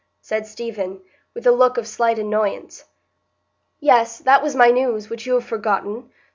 said Stephen, with a look of slight annoyance. "Yes; that was my news, which you have forgotten.